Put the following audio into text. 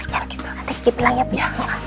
nanti kiki bilang ya bu